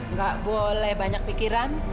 nggak boleh banyak pikiran